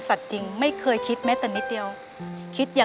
เปลี่ยนเพลงเพลงเก่งของคุณและข้ามผิดได้๑คำ